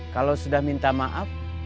kalau sudah minta maaf